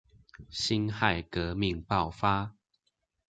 辛亥革命爆發